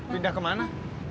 pindah ke mana